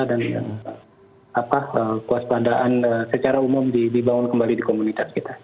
dan waspadaan secara umum dibangun kembali di komunitas kita